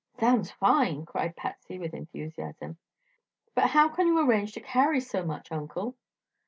"Sounds fine!" cried Patsy with enthusiasm. "But how can you arrange to carry so much, Uncle?"